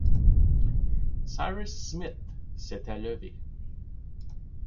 Cyrus Smith s’était levé.